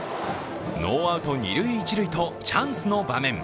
ノーアウト二塁、一塁とチャンスの場面。